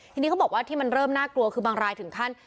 ทีนี้เขาบอกว่าที่มันเริ่มน่ากลัวคือบางรายถึงขั้น